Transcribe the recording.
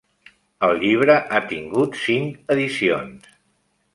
El llibre ha tingut cinc edicions.